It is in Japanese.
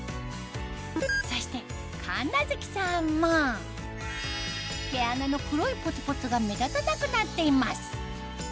そして神無月さんも毛穴の黒いポツポツが目立たなくなっています